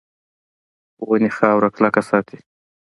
ونې خاوره کلکه ساتي.